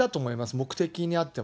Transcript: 目的にあっては。